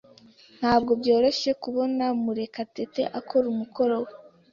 Ntabwo byoroshye kubona Murekatete akora umukoro we.